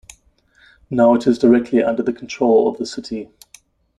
Now it is directly under the control of the city.